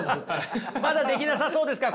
まだできなさそうですか？